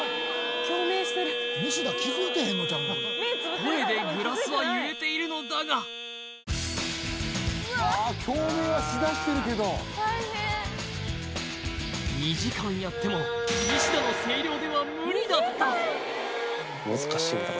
声でグラスは揺れているのだが２時間やってもニシダの声量では無理だったア！